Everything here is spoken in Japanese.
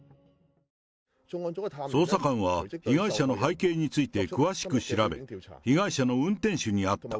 捜査官は、被害者の背景について詳しく調べ、被害者の運転手に会った。